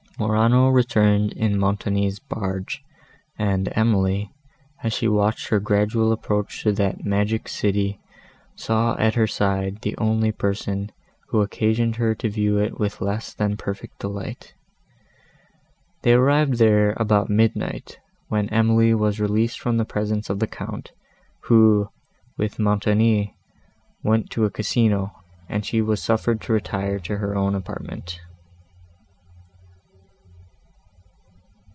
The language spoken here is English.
Morano returned in Montoni's barge, and Emily, as she watched her gradual approach to that magic city, saw at her side the only person, who occasioned her to view it with less than perfect delight. They arrived there about midnight, when Emily was released from the presence of the Count, who, with Montoni, went to a Casino, and she was suffered to retire to her own apartment.